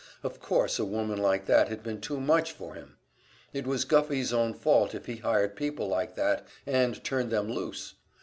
Of course a woman like that had been too much for him! It was Guffey's own fault if he hired people like that and turned them loose!